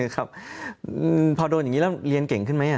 ครับพอโดนอย่างนี้แล้วเรียนเก่งขึ้นไหม